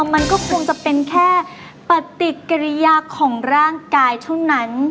มันก็คงจะเป็นแค่ปฏิกิริยาของร่างกายเท่านั้น